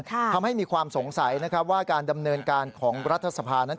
ทำให้มีความสงสัยนะครับว่าการดำเนินการของรัฐสภานั้น